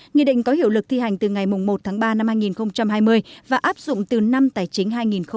nghị định có hiệu lực thi hành từ ngày một tháng ba năm hai nghìn hai mươi và áp dụng từ năm tài chính hai nghìn hai mươi